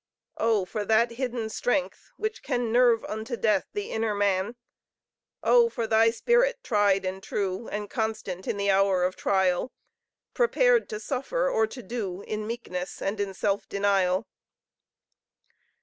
Oh! for that hidden strength which can Nerve unto death the inner man! Oh for thy spirit tried and true And constant in the hour of trial Prepared to suffer or to do In meekness and in self denial.